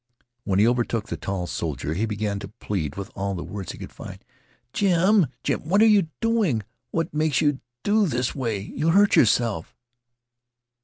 When he overtook the tall soldier he began to plead with all the words he could find. "Jim Jim what are you doing what makes you do this way you 'll hurt yerself."